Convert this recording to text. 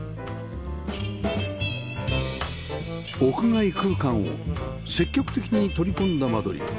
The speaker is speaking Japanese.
屋外空間を積極的に取り込んだ間取り